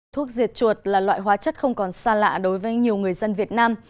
thuốc diệt chuột là loại hóa chất không còn xa lạ đối với nhiều người dân việt nam